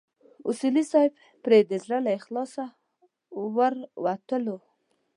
اصولي صیب پرې د زړه له اخلاصه ورتلو.